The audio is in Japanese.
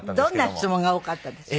どんな質問が多かったですか？